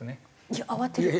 いや慌てる。